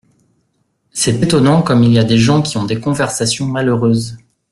C’est étonnant comme il y a des gens qui ont des conversations malheureuses !